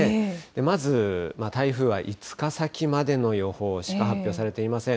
まず、台風は５日先までの予報しか発表されていません。